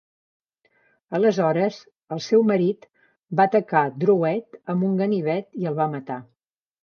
Aleshores, el seu marit va atacar Drouet amb un ganivet i el va matar.